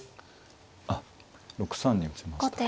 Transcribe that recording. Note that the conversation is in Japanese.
あっ６三に打ちました。